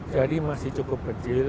jadi masih cukup kecil